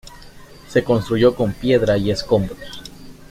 Se construyó con piedra y escombros.